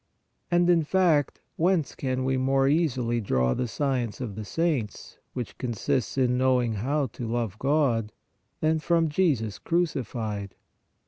And, in fact, whence can we more easily draw the science PIOUS READING 169 of the saints, which consists in knowing how to love God, than from Jesus crucified?